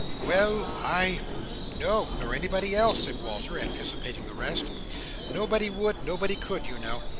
Well, I—" "No, nor anybody else," said Walter, anticipating the rest. "Nobody would, nobody could, you know.